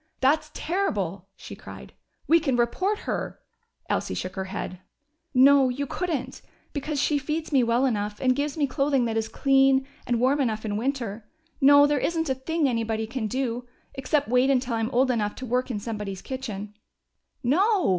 "That's terrible!" she cried. "We can report her " Elsie shook her head. "No, you couldn't. Because she feeds me well enough and gives me clothing that is clean, and warm enough in winter. No, there isn't a thing anybody can do. Except wait until I'm old enough to work in somebody's kitchen." "No!"